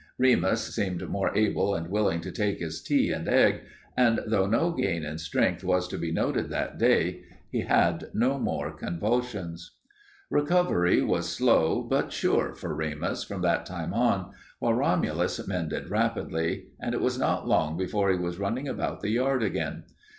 Remus seemed more able and willing to take his tea and egg, and though no gain in strength was to be noted that day, he had no more convulsions. Recovery was slow but sure for Remus from that time on, while Romulus mended rapidly, and it was not long before he was running about the yard again.